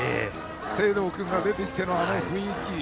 清藤君が出てきての、あの雰囲気。